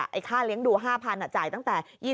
ไอ้ค่าเลี้ยงดู๕๐๐จ่ายตั้งแต่๒๐